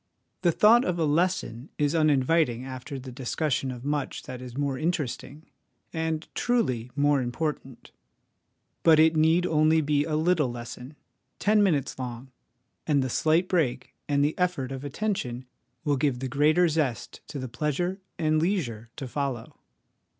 The thought of a lesson is uninviting after the discussion of much that is more interesting, and, truly, more important; but it need only be a little lesson, ten minutes long, and the slight break and the effort of attention will give the greater zest to the pleasure and leisure to follow.